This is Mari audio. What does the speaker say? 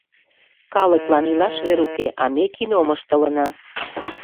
Калыклан илаш вер уке, а ме кином ыштылына.